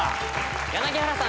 柳原さん